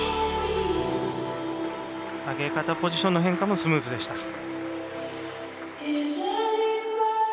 上げ方、ポジションの変化もスムーズでした。